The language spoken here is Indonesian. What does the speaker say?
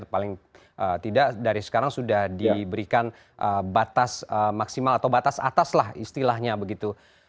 paling tidak dari sekarang sudah diberikan batas maksimal atau batas atas lah istilahnya begitu